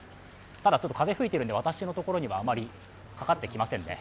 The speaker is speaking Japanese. ただ、風が吹いているので、私のところにはあまりかかってきませんね。